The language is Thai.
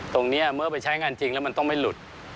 ตรงนี้เมื่อไปใช้งานจริงแล้วมันต้องไม่หลุด